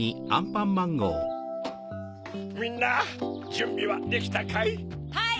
みんなじゅんびはできたかい？